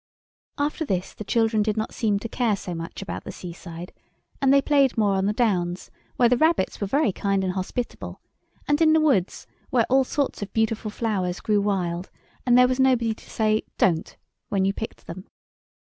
After this the children did not seem to care so much about the seaside, and they played more on the downs, where the rabbits were very kind and hospitable, and in the woods, where all sorts of beautiful flowers grew wild—and there was nobody to say "Don't" when you picked them.